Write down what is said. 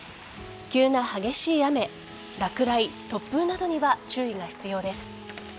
急な激しい雨落雷、突風などには注意が必要です。